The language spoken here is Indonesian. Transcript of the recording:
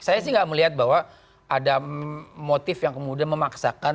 saya sih nggak melihat bahwa ada motif yang kemudian memaksakan